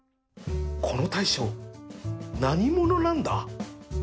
この大将何者なんだ？